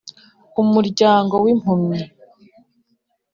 Umuryango w’impumyi